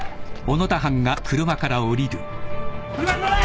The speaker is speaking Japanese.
車に乗れ！